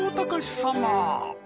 様